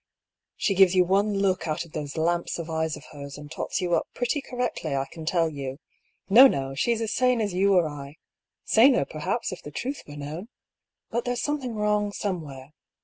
She gives yon one look out of those lamps of eyes of hers, and tots you up pretty correctly, I can tell you. No, no ! She's as sane as you or I — saner perhaps, if the truth were known ! But there's something wrong somewhere.